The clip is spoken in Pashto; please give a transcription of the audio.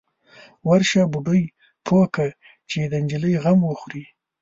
_ورشه، بوډۍ پوه که چې د نجلۍ غم وخوري.